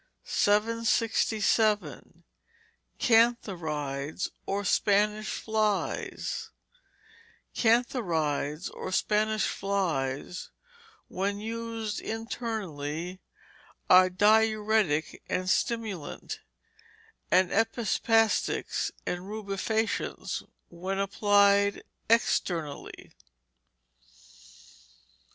767. Cantharides, or Spanish flies Cantharides, or Spanish flies, when used internally, are diuretic and stimulant; and epispastic and rubefacient when applied externally.